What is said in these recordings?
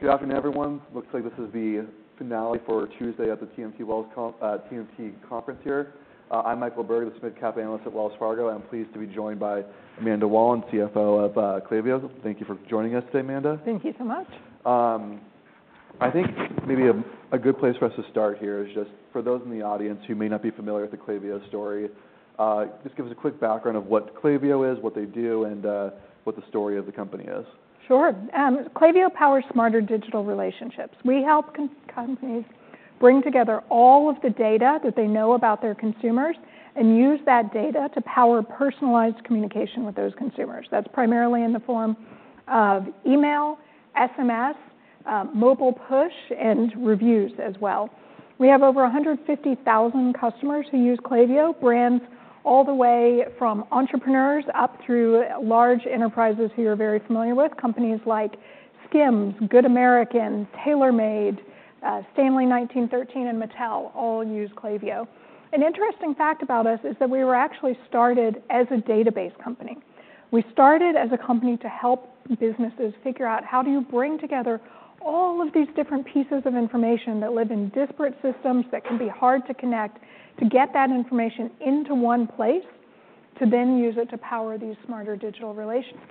Good afternoon, everyone. Looks like this is the finale for Tuesday at the TMT Conference here. I'm Michael Berg, the SMID Cap analyst at Wells Fargo, and I'm pleased to be joined by Amanda Whalen, CFO of Klaviyo. Thank you for joining us today, Amanda. Thank you so much. I think maybe a good place for us to start here is just for those in the audience who may not be familiar with the Klaviyo story, just give us a quick background of what Klaviyo is, what they do, and what the story of the company is. Sure. Klaviyo powers smarter digital relationships. We help companies bring together all of the data that they know about their consumers and use that data to power personalized communication with those consumers. That's primarily in the form of email, SMS, mobile push, and reviews as well. We have over 150,000 customers who use Klaviyo, brands all the way from entrepreneurs up through large enterprises who you're very familiar with, companies like Skims, Good American, TaylorMade, Stanley 1913, and Mattel all use Klaviyo. An interesting fact about us is that we were actually started as a database company. We started as a company to help businesses figure out how do you bring together all of these different pieces of information that live in disparate systems that can be hard to connect, to get that information into one place, to then use it to power these smarter digital relationships.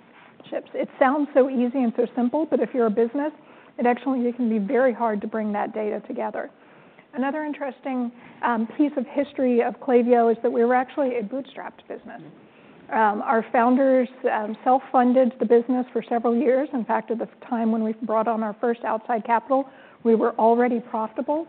It sounds so easy and so simple, but if you're a business, it actually can be very hard to bring that data together. Another interesting piece of history of Klaviyo is that we were actually a bootstrapped business. Our founders self-funded the business for several years. In fact, at the time when we brought on our first outside capital, we were already profitable,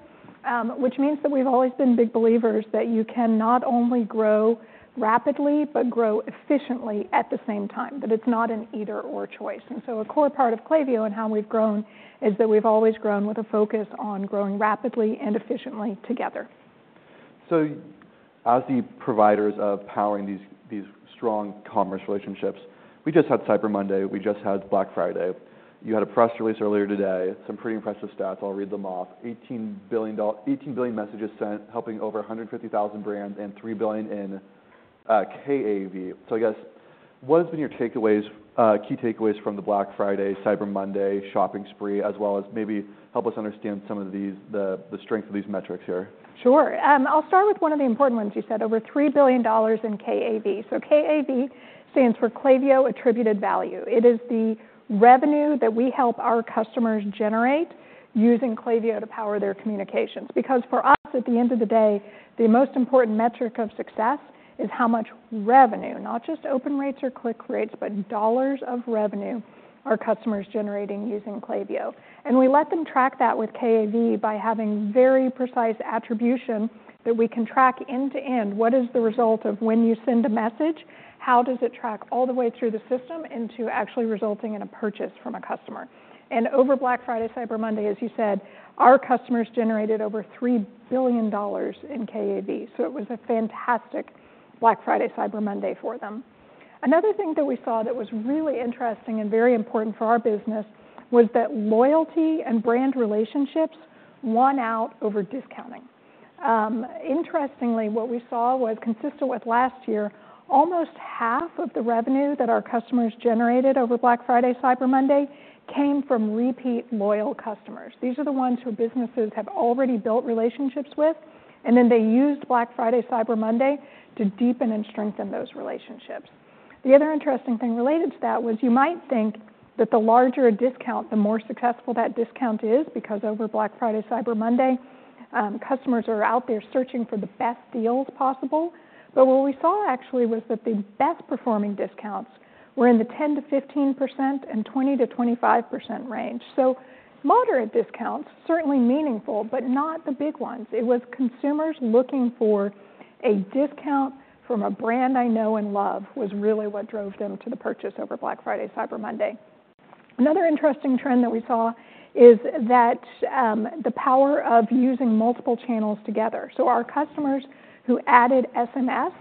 which means that we've always been big believers that you can not only grow rapidly but grow efficiently at the same time, that it's not an either/or choice and so a core part of Klaviyo and how we've grown is that we've always grown with a focus on growing rapidly and efficiently together. So as the providers of powering these strong commerce relationships, we just had Cyber Monday, we just had Black Friday. You had a press release earlier today, some pretty impressive stats. I'll read them off: 18 billion messages sent, helping over 150,000 brands and $3 billion in KAV. So I guess, what have been your takeaways, key takeaways from the Black Friday, Cyber Monday, shopping spree, as well as maybe help us understand some of these, the strength of these metrics here? Sure. I'll start with one of the important ones you said, over $3 billion in KAV. So KAV stands for Klaviyo Attributed Value. It is the revenue that we help our customers generate using Klaviyo to power their communications. Because for us, at the end of the day, the most important metric of success is how much revenue, not just open rates or click rates, but dollars of revenue our customers are generating using Klaviyo. And we let them track that with KAV by having very precise attribution that we can track end-to-end, what is the result of when you send a message, how does it track all the way through the system into actually resulting in a purchase from a customer. And over Black Friday, Cyber Monday, as you said, our customers generated over $3 billion in KAV. So it was a fantastic Black Friday, Cyber Monday for them. Another thing that we saw that was really interesting and very important for our business was that loyalty and brand relationships won out over discounting. Interestingly, what we saw was consistent with last year, almost half of the revenue that our customers generated over Black Friday, Cyber Monday came from repeat loyal customers. These are the ones who businesses have already built relationships with, and then they used Black Friday, Cyber Monday to deepen and strengthen those relationships. The other interesting thing related to that was you might think that the larger a discount, the more successful that discount is, because over Black Friday, Cyber Monday, customers are out there searching for the best deals possible. But what we saw actually was that the best-performing discounts were in the 10%-15% and 20%-25% range. So moderate discounts, certainly meaningful, but not the big ones. It was consumers looking for a discount from a brand they know and love was really what drove them to the purchase over Black Friday Cyber Monday. Another interesting trend that we saw is that the power of using multiple channels together, so our customers who added SMS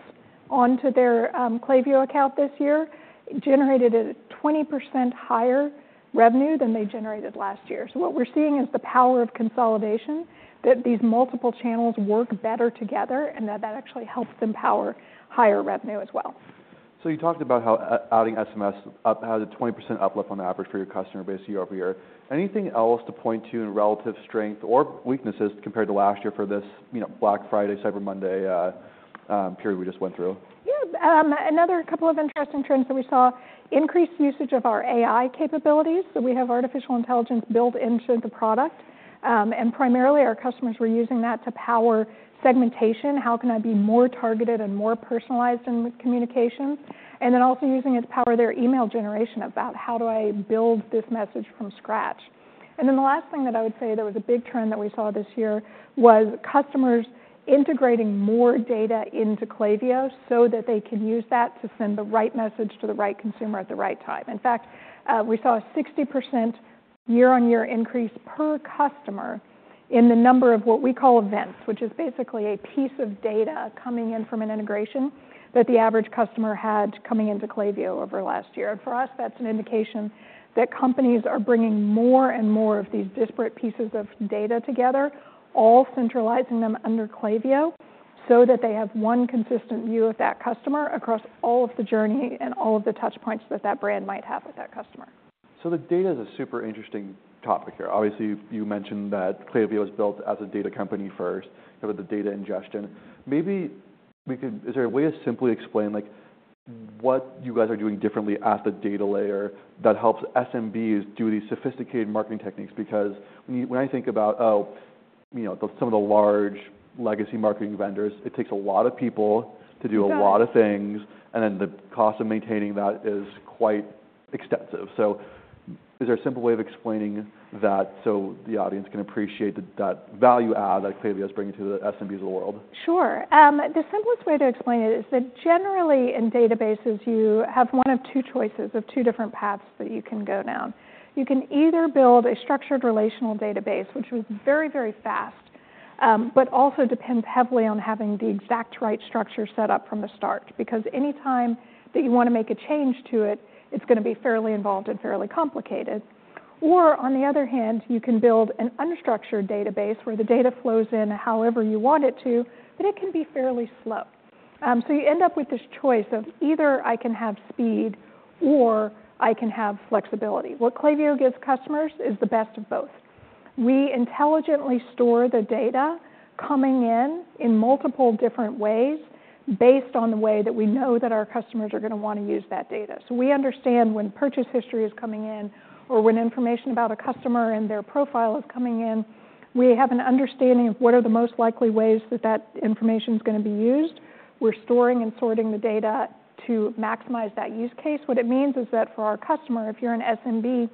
onto their Klaviyo account this year generated a 20% higher revenue than they generated last year, so what we're seeing is the power of consolidation, that these multiple channels work better together, and that actually helps them power higher revenue as well. You talked about how adding SMS had a 20% uplift on average for your customer base year-over-year. Anything else to point to in relative strength or weaknesses compared to last year for this, you know, Black Friday, Cyber Monday, period we just went through? Yeah. Another couple of interesting trends that we saw, increased usage of our AI capabilities. So we have artificial intelligence built into the product, and primarily our customers were using that to power segmentation, how can I be more targeted and more personalized in communications, and then also using it to power their email generation about how do I build this message from scratch, and then the last thing that I would say that was a big trend that we saw this year was customers integrating more data into Klaviyo so that they can use that to send the right message to the right consumer at the right time. In fact, we saw a 60% year-on-year increase per customer in the number of what we call events, which is basically a piece of data coming in from an integration that the average customer had coming into Klaviyo over last year. For us, that's an indication that companies are bringing more and more of these disparate pieces of data together, all centralizing them under Klaviyo so that they have one consistent view of that customer across all of the journey and all of the touchpoints that that brand might have with that customer. So the data is a super interesting topic here. Obviously, you mentioned that Klaviyo was built as a data company first, kind of the data ingestion. Maybe we could, is there a way to simply explain, like, what you guys are doing differently at the data layer that helps SMBs do these sophisticated marketing techniques? Because when I think about, oh, you know, some of the large legacy marketing vendors, it takes a lot of people to do a lot of things. Yeah. And then the cost of maintaining that is quite extensive. So is there a simple way of explaining that so the audience can appreciate that value add that Klaviyo is bringing to the SMBs of the world? Sure. The simplest way to explain it is that generally in databases, you have one of two choices of two different paths that you can go down. You can either build a structured relational database, which was very, very fast, but also depends heavily on having the exact right structure set up from the start. Because any time that you wanna make a change to it, it's gonna be fairly involved and fairly complicated. Or on the other hand, you can build an unstructured database where the data flows in however you want it to, but it can be fairly slow, so you end up with this choice of either I can have speed or I can have flexibility. What Klaviyo gives customers is the best of both. We intelligently store the data coming in in multiple different ways based on the way that we know that our customers are gonna wanna use that data. So we understand when purchase history is coming in or when information about a customer and their profile is coming in. We have an understanding of what are the most likely ways that that information's gonna be used. We're storing and sorting the data to maximize that use case. What it means is that for our customer, if you're an SMB,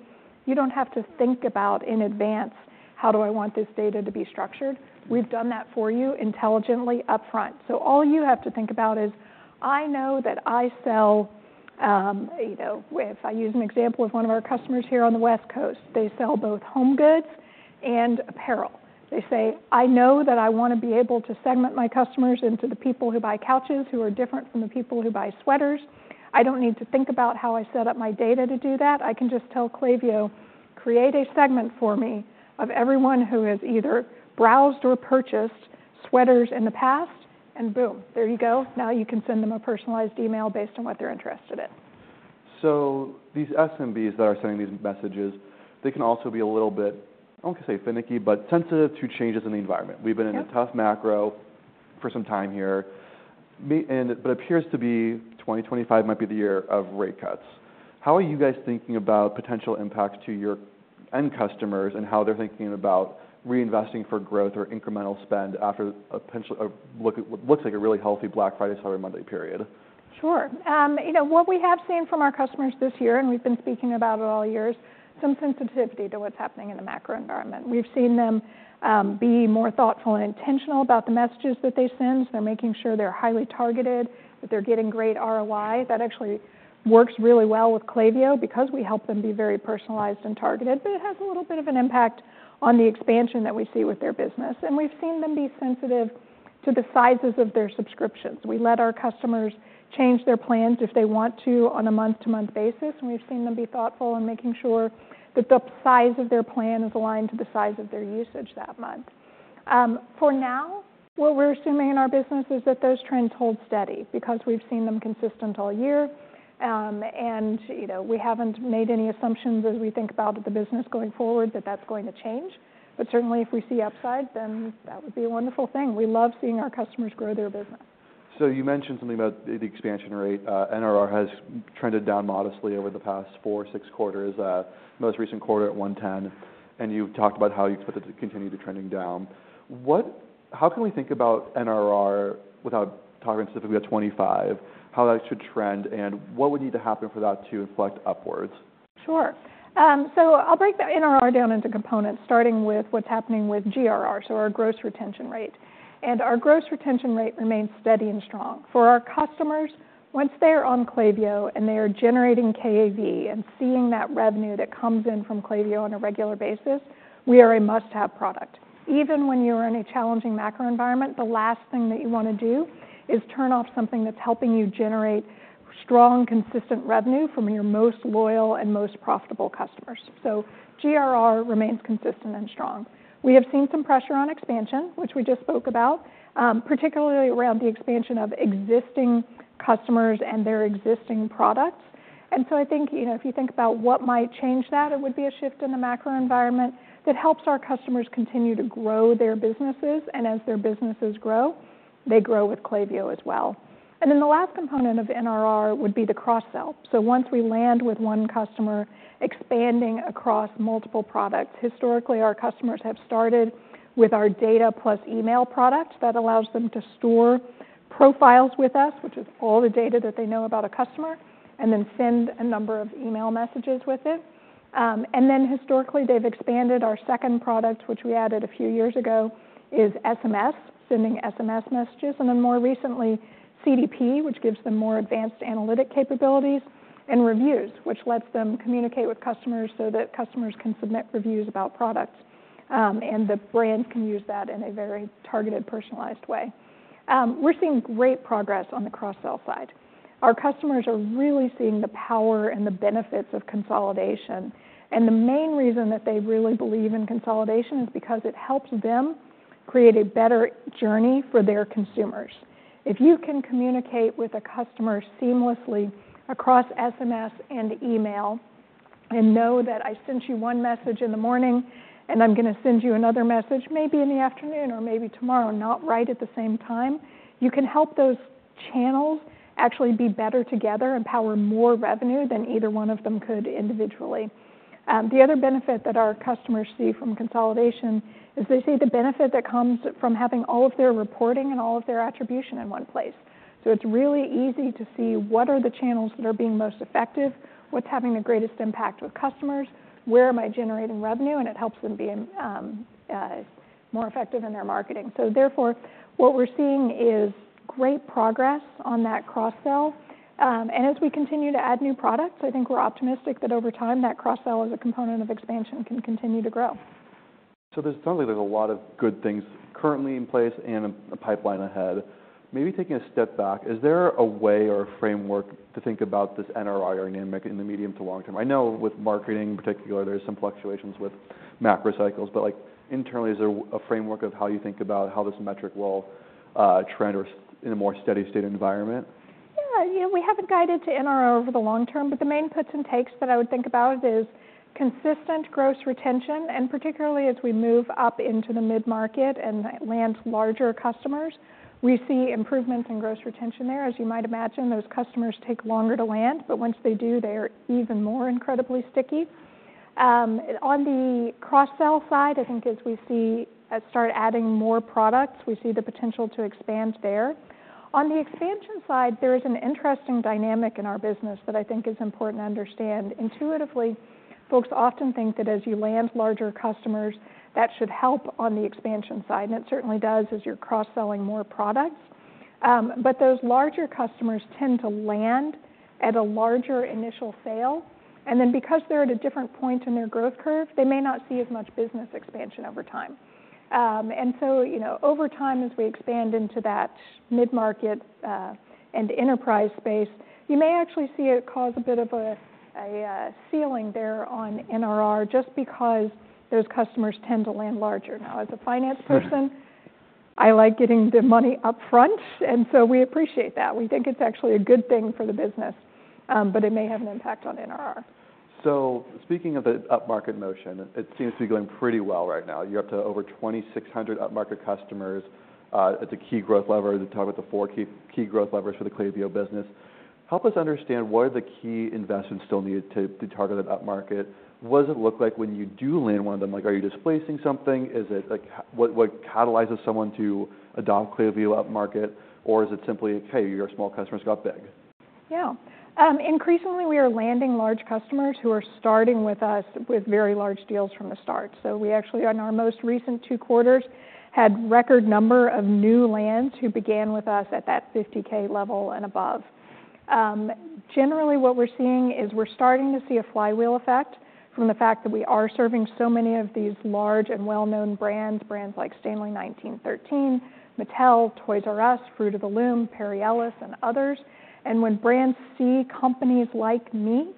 you don't have to think about in advance how do I want this data to be structured? We've done that for you intelligently upfront. So all you have to think about is, I know that I sell, you know, if I use an example of one of our customers here on the West Coast, they sell both home goods and apparel. They say, "I know that I wanna be able to segment my customers into the people who buy couches who are different from the people who buy sweaters. I don't need to think about how I set up my data to do that. I can just tell Klaviyo, create a segment for me of everyone who has either browsed or purchased sweaters in the past, and boom, there you go. Now you can send them a personalized email based on what they're interested in. So these SMBs that are sending these messages, they can also be a little bit, I don't wanna say finicky, but sensitive to changes in the environment. Yeah. We've been in a tough macro for some time here. Meant it, but it appears that 2025 might be the year of rate cuts. How are you guys thinking about potential impacts to your end customers and how they're thinking about reinvesting for growth or incremental spend after a potential, a look at what looks like a really healthy Black Friday, Cyber Monday period? Sure. You know, what we have seen from our customers this year, and we've been speaking about it all years, some sensitivity to what's happening in the macro environment. We've seen them be more thoughtful and intentional about the messages that they send. They're making sure they're highly targeted, that they're getting great ROI. That actually works really well with Klaviyo because we help them be very personalized and targeted, but it has a little bit of an impact on the expansion that we see with their business, and we've seen them be sensitive to the sizes of their subscriptions. We let our customers change their plans if they want to on a month-to-month basis, and we've seen them be thoughtful in making sure that the size of their plan is aligned to the size of their usage that month. For now, what we're assuming in our business is that those trends hold steady because we've seen them consistent all year. And, you know, we haven't made any assumptions as we think about the business going forward that that's going to change. But certainly, if we see upside, then that would be a wonderful thing. We love seeing our customers grow their business. So you mentioned something about the expansion rate. NRR has trended down modestly over the past four, six quarters, most recent quarter at 110, and you've talked about how you expect it to continue to trending down. What, how can we think about NRR without talking specifically about 2025, how that should trend, and what would need to happen for that to inflect upwards? Sure. I'll break the NRR down into components, starting with what's happening with GRR, so our gross retention rate. Our gross retention rate remains steady and strong. For our customers, once they're on Klaviyo and they are generating KAV and seeing that revenue that comes in from Klaviyo on a regular basis, we are a must-have product. Even when you're in a challenging macro environment, the last thing that you wanna do is turn off something that's helping you generate strong, consistent revenue from your most loyal and most profitable customers. GRR remains consistent and strong. We have seen some pressure on expansion, which we just spoke about, particularly around the expansion of existing customers and their existing products. And so I think, you know, if you think about what might change that, it would be a shift in the macro environment that helps our customers continue to grow their businesses. And as their businesses grow, they grow with Klaviyo as well. And then the last component of NRR would be the cross-sell. So once we land with one customer expanding across multiple products, historically, our customers have started with our data plus email product that allows them to store profiles with us, which is all the data that they know about a customer, and then send a number of email messages with it, and then historically, they've expanded. Our second product, which we added a few years ago, is SMS, sending SMS messages. And then more recently, CDP, which gives them more advanced analytic capabilities and reviews, which lets them communicate with customers so that customers can submit reviews about products, and the brands can use that in a very targeted personalized way. We're seeing great progress on the cross-sell side. Our customers are really seeing the power and the benefits of consolidation. And the main reason that they really believe in consolidation is because it helps them create a better journey for their consumers. If you can communicate with a customer seamlessly across SMS and email and know that I sent you one message in the morning and I'm gonna send you another message maybe in the afternoon or maybe tomorrow, not right at the same time, you can help those channels actually be better together and power more revenue than either one of them could individually. The other benefit that our customers see from consolidation is they see the benefit that comes from having all of their reporting and all of their attribution in one place. So it's really easy to see what are the channels that are being most effective, what's having the greatest impact with customers, where am I generating revenue, and it helps them be more effective in their marketing. So therefore, what we're seeing is great progress on that cross-sell, and as we continue to add new products, I think we're optimistic that over time that cross-sell as a component of expansion can continue to grow. So there's definitely a lot of good things currently in place and a pipeline ahead. Maybe taking a step back, is there a way or a framework to think about this NRR dynamic in the medium to long term? I know with marketing in particular, there's some fluctuations with macro cycles, but like internally, is there a framework of how you think about how this metric will, trend or in a more steady state environment? Yeah. You know, we haven't guided to NRR over the long term, but the main puts and takes that I would think about is consistent gross retention. And particularly as we move up into the mid-market and land larger customers, we see improvements in gross retention there. As you might imagine, those customers take longer to land, but once they do, they're even more incredibly sticky. On the cross-sell side, I think as we see, start adding more products, we see the potential to expand there. On the expansion side, there is an interesting dynamic in our business that I think is important to understand. Intuitively, folks often think that as you land larger customers, that should help on the expansion side. And it certainly does as you're cross-selling more products. But those larger customers tend to land at a larger initial sale. And then because they're at a different point in their growth curve, they may not see as much business expansion over time. And so, you know, over time as we expand into that mid-market and enterprise space, you may actually see it cause a bit of a ceiling there on NRR just because those customers tend to land larger. Now, as a finance person, I like getting the money upfront, and so we appreciate that. We think it's actually a good thing for the business, but it may have an impact on NRR. So speaking of the upmarket motion, it seems to be going pretty well right now. You're up to over 2,600 upmarket customers. It's a key growth lever. We're talking about the four key growth levers for the Klaviyo business. Help us understand what are the key investments still needed to target that upmarket? What does it look like when you do land one of them? Like, are you displacing something? Is it like, what catalyzes someone to adopt Klaviyo upmarket, or is it simply like, hey, your small customers got big? Yeah. Increasingly, we are landing large customers who are starting with us with very large deals from the start. So we actually, in our most recent two quarters, had a record number of new lands who began with us at that 50K level and above. Generally, what we're seeing is we're starting to see a flywheel effect from the fact that we are serving so many of these large and well-known brands, brands like Stanley 1913, Mattel, Toys "R" Us, Fruit of the Loom, Perry Ellis, and others. And when brands see companies like me,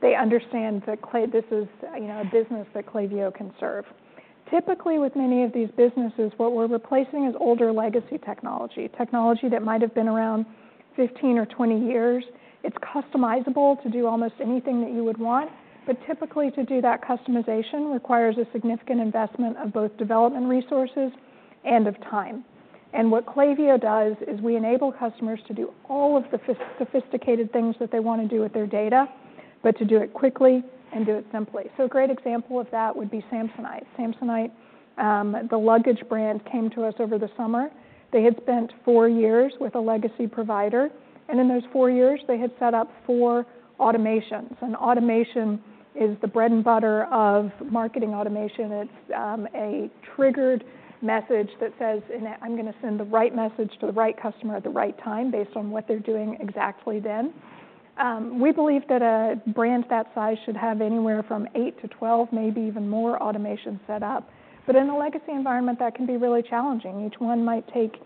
they understand that this is, you know, a business that Klaviyo can serve. Typically, with many of these businesses, what we're replacing is older legacy technology, technology that might have been around 15 or 20 years. It's customizable to do almost anything that you would want, but typically to do that customization requires a significant investment of both development resources and of time. And what Klaviyo does is we enable customers to do all of the sophisticated things that they wanna do with their data, but to do it quickly and do it simply. So a great example of that would be Samsonite. Samsonite, the luggage brand, came to us over the summer. They had spent four years with a legacy provider, and in those four years, they had set up four automations. And automation is the bread and butter of marketing automation. It's a triggered message that says, and I'm gonna send the right message to the right customer at the right time based on what they're doing exactly then. We believe that a brand that size should have anywhere from 8-12, maybe even more automations set up. But in a legacy environment, that can be really challenging. Each one might take,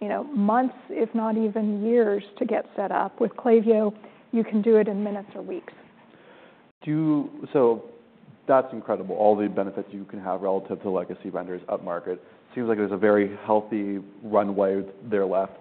you know, months, if not even years to get set up. With Klaviyo, you can do it in minutes or weeks. So that's incredible. All the benefits you can have relative to legacy vendors upmarket. Seems like there's a very healthy runway there left.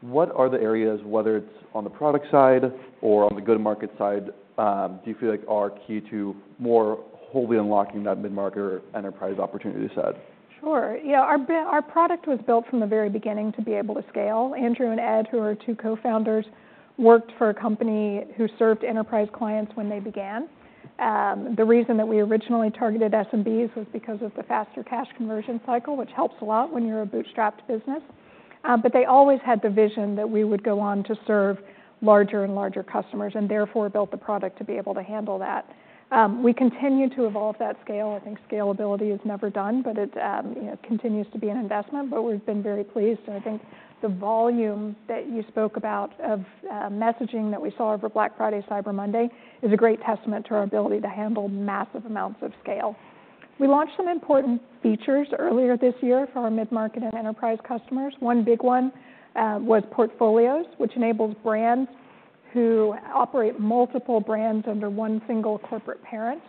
What are the areas, whether it's on the product side or on the go-to-market side, do you feel like are key to more wholly unlocking that mid-market or enterprise opportunity set? Sure. Yeah. Our, our product was built from the very beginning to be able to scale. Andrew and Ed, who are two co-founders, worked for a company who served enterprise clients when they began. The reason that we originally targeted SMBs was because of the faster cash conversion cycle, which helps a lot when you're a bootstrapped business. But they always had the vision that we would go on to serve larger and larger customers and therefore built the product to be able to handle that. We continue to evolve that scale. I think scalability is never done, but it, you know, continues to be an investment, but we've been very pleased, and I think the volume that you spoke about of messaging that we saw over Black Friday, Cyber Monday is a great testament to our ability to handle massive amounts of scale. We launched some important features earlier this year for our mid-market and enterprise customers. One big one was Portfolios, which enables brands who operate multiple brands under one single corporate parent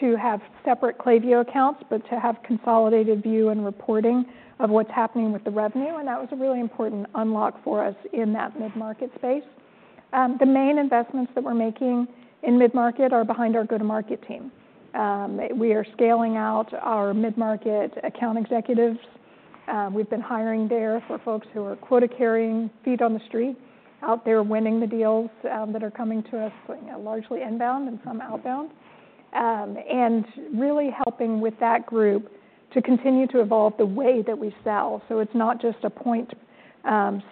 to have separate Klaviyo accounts, but to have consolidated view and reporting of what's happening with the revenue. And that was a really important unlock for us in that mid-market space. The main investments that we're making in mid-market are behind our go-to-market team. We are scaling out our mid-market account executives. We've been hiring there for folks who are quota carrying, feet on the street, out there winning the deals that are coming to us, you know, largely inbound and some outbound, and really helping with that group to continue to evolve the way that we sell. So it's not just a point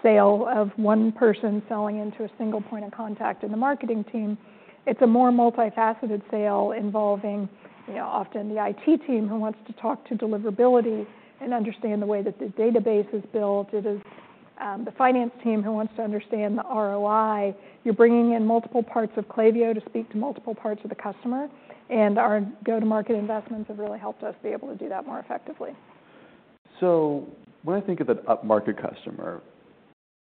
sale of one person selling into a single point of contact in the marketing team. It's a more multifaceted sale involving, you know, often the IT team who wants to talk to deliverability and understand the way that the database is built. It is the finance team who wants to understand the ROI. You're bringing in multiple parts of Klaviyo to speak to multiple parts of the customer. And our go-to-market investments have really helped us be able to do that more effectively. So when I think of that upmarket customer,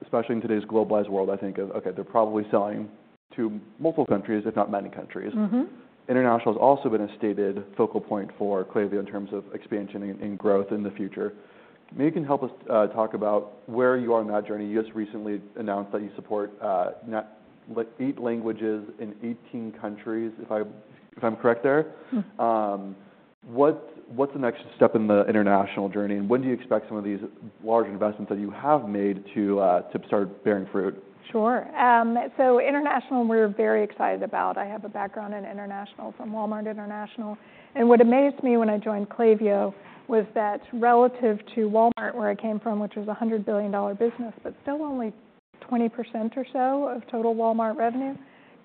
especially in today's globalized world, I think of, okay, they're probably selling to multiple countries, if not many countries. Mm-hmm. International has also been a stated focal point for Klaviyo in terms of expansion and growth in the future. Maybe you can help us talk about where you are in that journey. You just recently announced that you support eight languages in 18 countries, if I, if I'm correct there. Mm-hmm. What's the next step in the international journey, and when do you expect some of these large investments that you have made to start bearing fruit? Sure, so international, we're very excited about. I have a background in international from Walmart International. And what amazed me when I joined Klaviyo was that relative to Walmart, where I came from, which was a $100 billion business, but still only 20% or so of total Walmart revenue,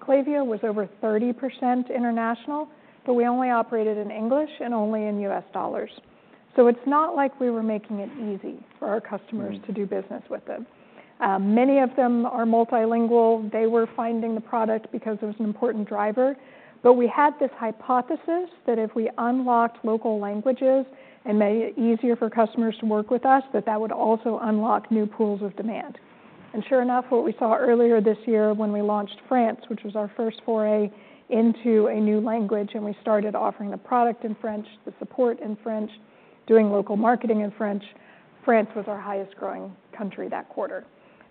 Klaviyo was over 30% international, but we only operated in English and only in U.S. dollars. So it's not like we were making it easy for our customers to do business with it. Many of them are multilingual. They were finding the product because it was an important driver. But we had this hypothesis that if we unlocked local languages and made it easier for customers to work with us, that that would also unlock new pools of demand. Sure enough, what we saw earlier this year when we launched France, which was our first foray into a new language, and we started offering the product in French, the support in French, doing local marketing in French, France was our highest growing country that quarter.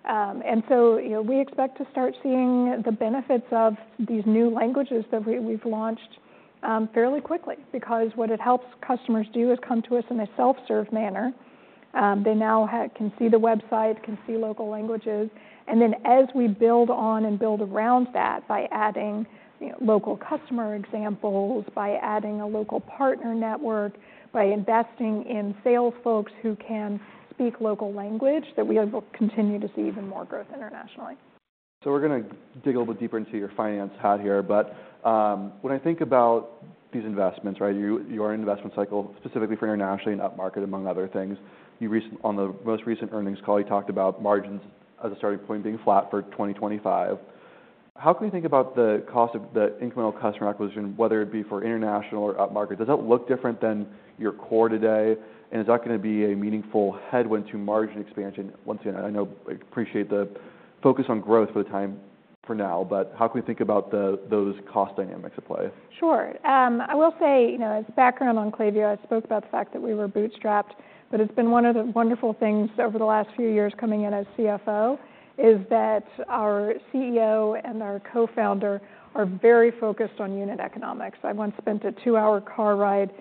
And so, you know, we expect to start seeing the benefits of these new languages that we've launched, fairly quickly because what it helps customers do is come to us in a self-serve manner. They now can see the website, can see local languages. And then as we build on and build around that by adding, you know, local customer examples, by adding a local partner network, by investing in sales folks who can speak local language, that we will continue to see even more growth internationally. We're gonna dig a little bit deeper into your finance hat here, but when I think about these investments, right, your investment cycle specifically for international and upmarket, among other things. You recently, on the most recent earnings call, talked about margins as a starting point being flat for 2025. How can we think about the cost of the incremental customer acquisition, whether it be for international or upmarket? Does that look different than your core today, and is that gonna be a meaningful headwind to margin expansion? Once again, I know I appreciate the focus on growth for the time for now, but how can we think about those cost dynamics at play? Sure. I will say, you know, as background on Klaviyo, I spoke about the fact that we were bootstrapped, but it's been one of the wonderful things over the last few years coming in as CFO is that our CEO and our co-founder are very focused on unit economics. I once spent a two-hour car ride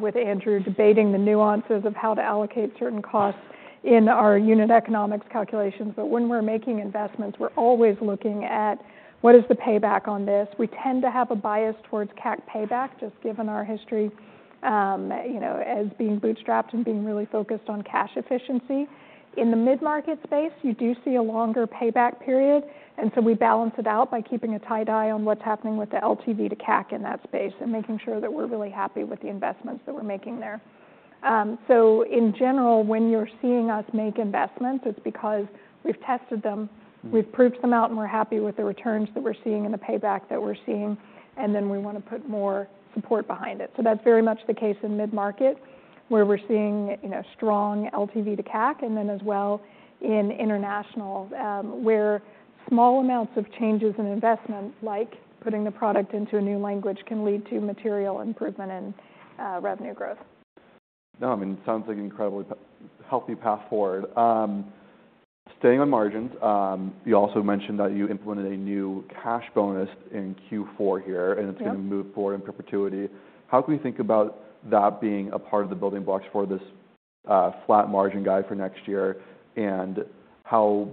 with Andrew debating the nuances of how to allocate certain costs in our unit economics calculations. But when we're making investments, we're always looking at what is the payback on this. We tend to have a bias towards CAC payback, just given our history, you know, as being bootstrapped and being really focused on cash efficiency. In the mid-market space, you do see a longer payback period. And so we balance it out by keeping a tight eye on what's happening with the LTV to CAC in that space and making sure that we're really happy with the investments that we're making there. So in general, when you're seeing us make investments, it's because we've tested them, we've proved them out, and we're happy with the returns that we're seeing and the payback that we're seeing, and then we wanna put more support behind it. So that's very much the case in mid-market where we're seeing, you know, strong LTV to CAC, and then as well in international, where small amounts of changes in investment, like putting the product into a new language, can lead to material improvement and revenue growth. No, I mean, it sounds like an incredibly healthy path forward. Staying on margins, you also mentioned that you implemented a new cash bonus in Q4 here, and it's gonna move forward in perpetuity. How can we think about that being a part of the building blocks for this flat margin guide for next year? And how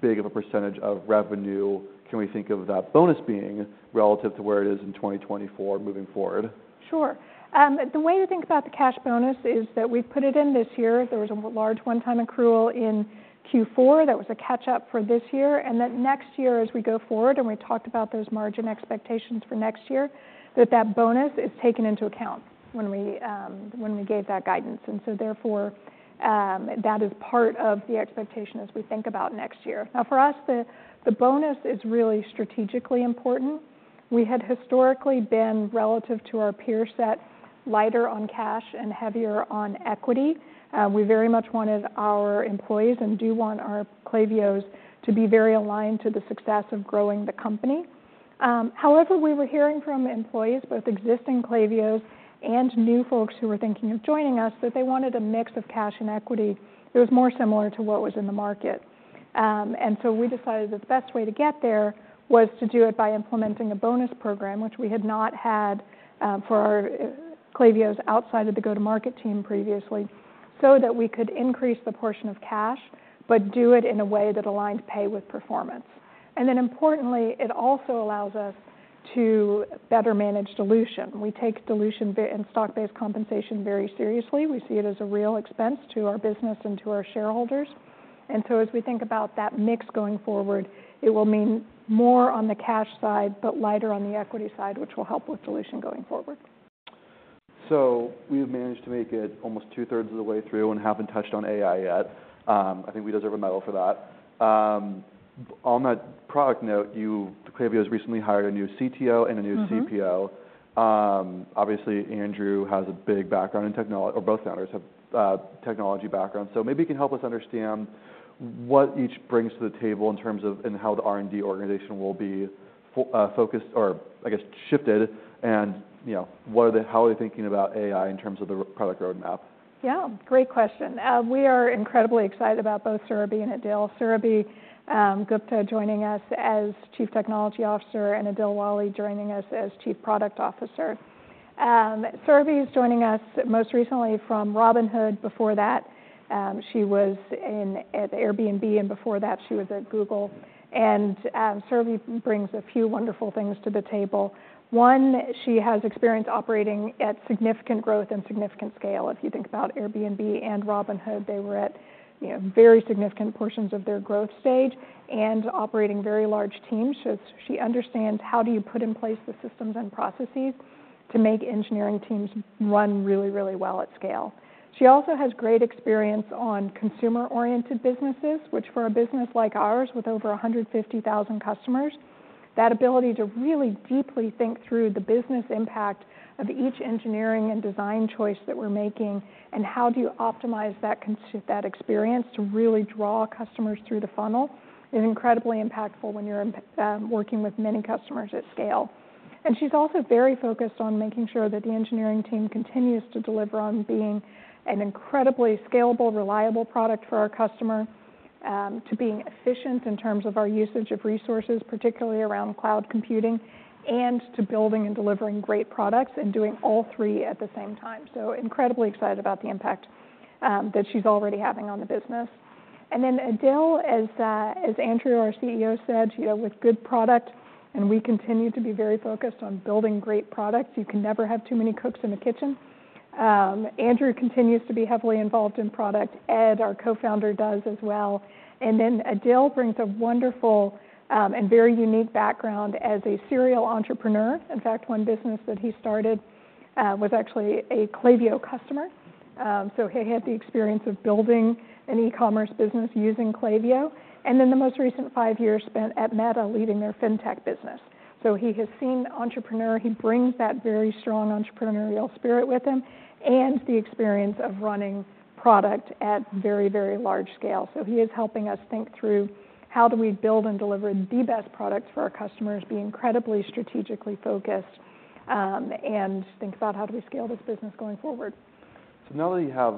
big of a percentage of revenue can we think of that bonus being relative to where it is in 2024 moving forward? Sure. The way to think about the cash bonus is that we've put it in this year. There was a large one-time accrual in Q4 that was a catch-up for this year. And then next year, as we go forward, and we talked about those margin expectations for next year, that that bonus is taken into account when we, when we gave that guidance. And so therefore, that is part of the expectation as we think about next year. Now, for us, the bonus is really strategically important. We had historically been relative to our peers that lighter on cash and heavier on equity. We very much wanted our employees and do want our Klaviyos to be very aligned to the success of growing the company. However, we were hearing from employees, both existing Klaviyos and new folks who were thinking of joining us, that they wanted a mix of cash and equity. It was more similar to what was in the market, and so we decided the best way to get there was to do it by implementing a bonus program, which we had not had, for our Klaviyos outside of the go-to-market team previously, so that we could increase the portion of cash, but do it in a way that aligned pay with performance, and then importantly, it also allows us to better manage dilution. We take dilution and stock-based compensation very seriously. We see it as a real expense to our business and to our shareholders. And so as we think about that mix going forward, it will mean more on the cash side, but lighter on the equity side, which will help with dilution going forward. So we have managed to make it almost 2/3 of the way through and haven't touched on AI yet. I think we deserve a medal for that. On that product note, you, Klaviyo, has recently hired a new CTO and a new CPO. Obviously, Andrew has a big background in technology, or both founders have, technology background. So maybe you can help us understand what each brings to the table in terms of, and how the R&D organization will be focused or, I guess, shifted, and, you know, what are they, how are they thinking about AI in terms of the product roadmap? Yeah. Great question. We are incredibly excited about both Surabhi and Adil. Surabhi Gupta joining us as Chief Technology Officer, and Adil Wali joining us as Chief Product Officer. Surabhi is joining us most recently from Robinhood. Before that, she was in at Airbnb, and before that, she was at Google. And Surabhi brings a few wonderful things to the table. One, she has experience operating at significant growth and significant scale. If you think about Airbnb and Robinhood, they were at, you know, very significant portions of their growth stage and operating very large teams. So she understands how do you put in place the systems and processes to make engineering teams run really, really well at scale. She also has great experience on consumer-oriented businesses, which for a business like ours with over 150,000 customers, that ability to really deeply think through the business impact of each engineering and design choice that we're making and how do you optimize that experience to really draw customers through the funnel is incredibly impactful when you're working with many customers at scale, and she's also very focused on making sure that the engineering team continues to deliver on being an incredibly scalable, reliable product for our customer, to being efficient in terms of our usage of resources, particularly around cloud computing, and to building and delivering great products and doing all three at the same time, so incredibly excited about the impact that she's already having on the business. And then Adil, as Andrew, our CEO, said, you know, with good product, and we continue to be very focused on building great products. You can never have too many cooks in the kitchen. Andrew continues to be heavily involved in product. Ed, our co-founder, does as well. And then Adil brings a wonderful, and very unique background as a serial entrepreneur. In fact, one business that he started, was actually a Klaviyo customer. So he had the experience of building an e-commerce business using Klaviyo. And then the most recent five years spent at Meta leading their fintech business. So he has seen entrepreneur. He brings that very strong entrepreneurial spirit with him and the experience of running product at very, very large scale. He is helping us think through how do we build and deliver the best products for our customers, be incredibly strategically focused, and think about how do we scale this business going forward. So now that you have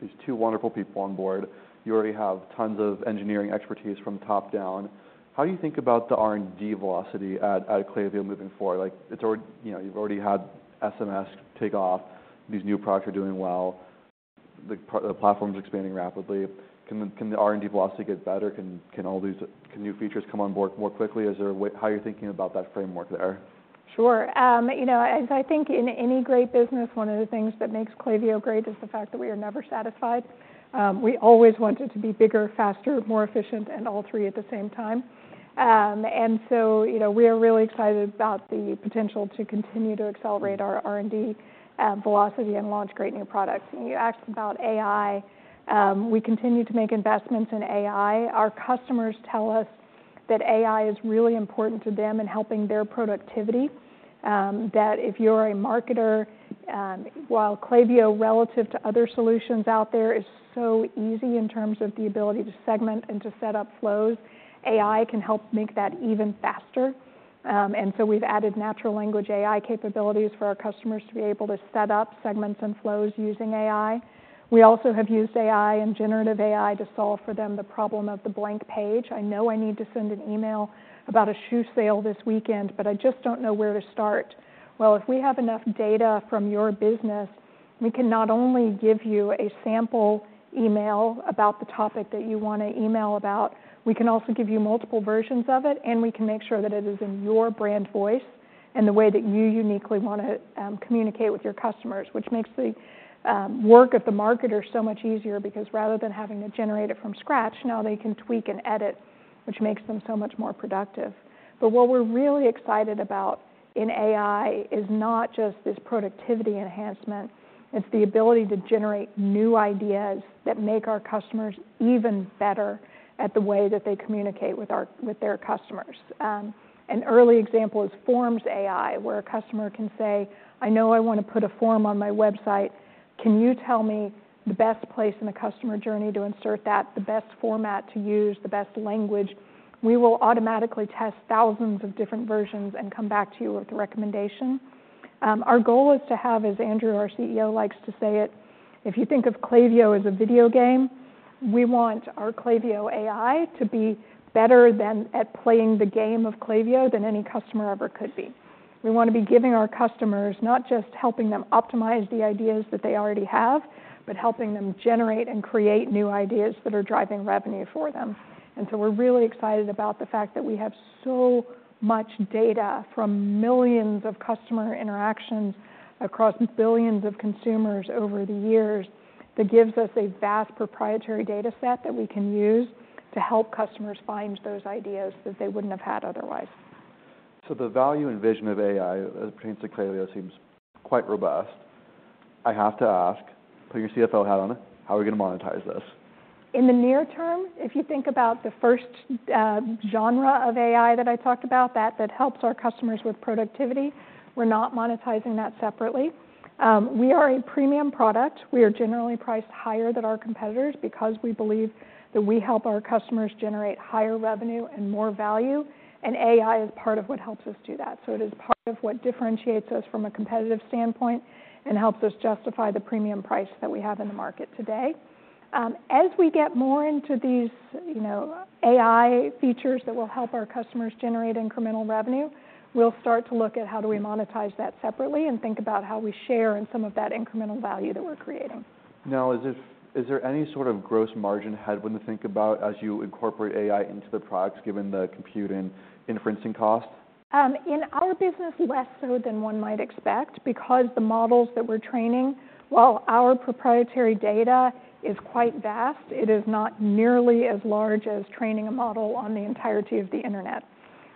these two wonderful people on board, you already have tons of engineering expertise from the top down. How do you think about the R&D velocity at Klaviyo moving forward? Like, it's already, you know, you've already had SMS take off. These new products are doing well. The platform's expanding rapidly. Can the R&D velocity get better? Can all these, can new features come on board more quickly? Is there a way how you're thinking about that framework there? Sure. You know, and so I think in any great business, one of the things that makes Klaviyo great is the fact that we are never satisfied. We always want it to be bigger, faster, more efficient, and all three at the same time, and so, you know, we are really excited about the potential to continue to accelerate our R&D, velocity and launch great new products, and you asked about AI. We continue to make investments in AI. Our customers tell us that AI is really important to them in helping their productivity, that if you're a marketer, while Klaviyo, relative to other solutions out there, is so easy in terms of the ability to segment and to set up flows, AI can help make that even faster. And so we've added natural language AI capabilities for our customers to be able to set up segments and flows using AI. We also have used AI and Generative AI to solve for them the problem of the blank page. I know I need to send an email about a shoe sale this weekend, but I just don't know where to start. Well, if we have enough data from your business, we can not only give you a sample email about the topic that you wanna email about, we can also give you multiple versions of it, and we can make sure that it is in your brand voice and the way that you uniquely wanna communicate with your customers, which makes the work of the marketer so much easier because rather than having to generate it from scratch, now they can tweak and edit, which makes them so much more productive. But what we're really excited about in AI is not just this productivity enhancement. It's the ability to generate new ideas that make our customers even better at the way that they communicate with their customers. An early example is Forms AI, where a customer can say, "I know I wanna put a form on my website. Can you tell me the best place in the customer journey to insert that, the best format to use, the best language?" We will automatically test thousands of different versions and come back to you with a recommendation. Our goal is to have, as Andrew, our CEO, likes to say it, if you think of Klaviyo as a video game, we want our Klaviyo AI to be better than at playing the game of Klaviyo than any customer ever could be. We wanna be giving our customers not just helping them optimize the ideas that they already have, but helping them generate and create new ideas that are driving revenue for them. And so we're really excited about the fact that we have so much data from millions of customer interactions across billions of consumers over the years that gives us a vast proprietary data set that we can use to help customers find those ideas that they wouldn't have had otherwise. So the value and vision of AI as it pertains to Klaviyo seems quite robust. I have to ask, put your CFO hat on it, how are we gonna monetize this? In the near term, if you think about the first generation of AI that I talked about, that helps our customers with productivity, we're not monetizing that separately. We are a premium product. We are generally priced higher than our competitors because we believe that we help our customers generate higher revenue and more value. And AI is part of what helps us do that. So it is part of what differentiates us from a competitive standpoint and helps us justify the premium price that we have in the market today. As we get more into these, you know, AI features that will help our customers generate incremental revenue, we'll start to look at how do we monetize that separately and think about how we share in some of that incremental value that we're creating. Now, is there any sort of gross margin headwind to think about as you incorporate AI into the products given the computing inferencing cost? In our business, less so than one might expect because the models that we're training, while our proprietary data is quite vast, it is not nearly as large as training a model on the entirety of the internet.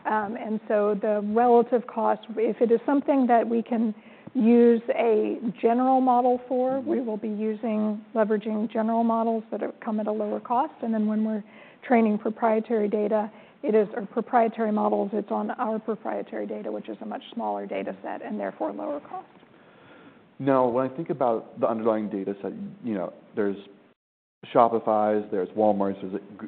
And so the relative cost, if it is something that we can use a general model for, we will be using, leveraging general models that have come at a lower cost. And then when we're training proprietary data, it is our proprietary models, it's on our proprietary data, which is a much smaller data set and therefore lower cost. Now, when I think about the underlying data set, you know, there's Shopify's, there's Walmart's,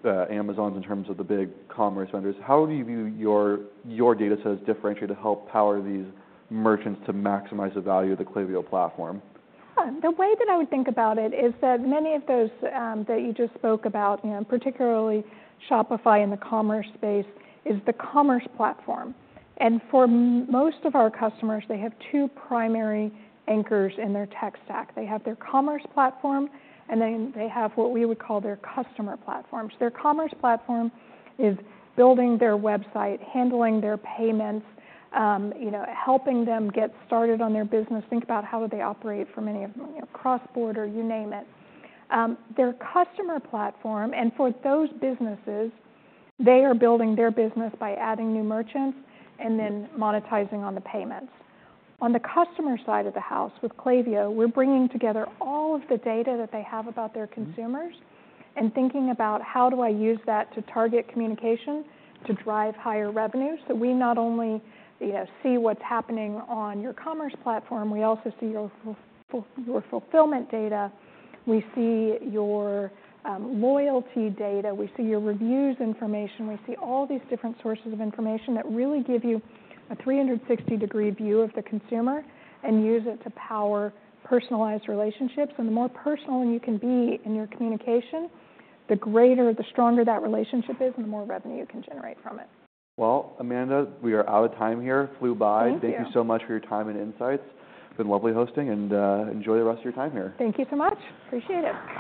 there's Amazon's in terms of the big commerce vendors. How do you view your, your data set as differentiated to help power these merchants to maximize the value of the Klaviyo platform? The way that I would think about it is that many of those that you just spoke about, you know, particularly Shopify in the commerce space, is the commerce platform, and for most of our customers, they have two primary anchors in their tech stack. They have their commerce platform, and then they have what we would call their customer platform, so their commerce platform is building their website, handling their payments, you know, helping them get started on their business, think about how do they operate for many of them, you know, cross-border, you name it, their customer platform, and for those businesses, they are building their business by adding new merchants and then monetizing on the payments. On the customer side of the house with Klaviyo, we're bringing together all of the data that they have about their consumers and thinking about how do I use that to target communication to drive higher revenue so that we not only, you know, see what's happening on your commerce platform, we also see your fulfillment data, we see your loyalty data, we see your reviews information, we see all these different sources of information that really give you a 360-degree view of the consumer and use it to power personalized relationships, and the more personal you can be in your communication, the greater, the stronger that relationship is, and the more revenue you can generate from it. Amanda, we are out of time here. Flew by. Thank you. Thank you so much for your time and insights. It's been lovely hosting, and enjoy the rest of your time here. Thank you so much. Appreciate it.